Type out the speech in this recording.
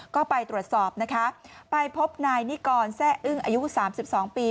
ก็ไปตรวจสอบนะคะไปพบนายนิกรแซ่อึ้งอายุ๓๒ปี